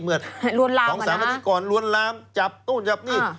รวนล้ำเหรอนะฮะของสามารถที่ก่อนรวนล้ำจับต้นจับนี่